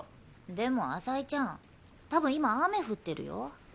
でも朝井ちゃんたぶん今雨降ってるよ？